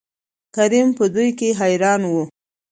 کريم په دو کې حيران وو.